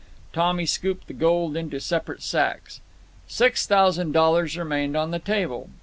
Tommy scooped the gold into separate sacks. Six thousand dollars remained on the table.